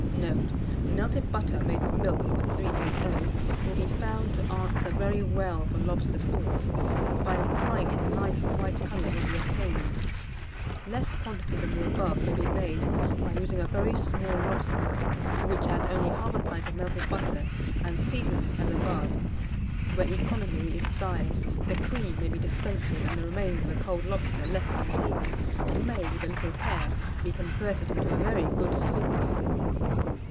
Note. Melted butter made with milk, No. 380, will be found to answer very well for lobster sauce, as by employing it a nice white colour will be obtained. Less quantity than the above may be made by using a very small lobster, to which add only 1/2 pint of melted butter, and season as above. Where economy is desired, the cream may be dispensed with, and the remains of a cold lobster left from table, may, with a little care, be converted into a very good sauce.